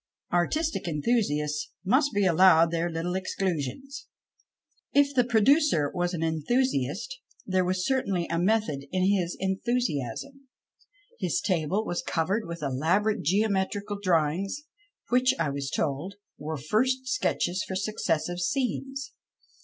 Artistic enthusiasts must be allowed their little exclusions. If the producer was an enthusiast, there was certainly a method in his enthusiasm. His table was covered with elaborate geometrical drawings, which, I was told, were first sketches for successive scenes.